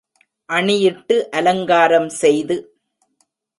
அணியிட்டு அலங்காரம் செய்து.